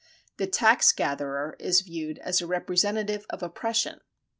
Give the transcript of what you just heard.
The tax gatherer is viewed as a representative of oppression.